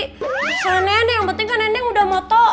terserah nenek yang penting kan nenek udah motoin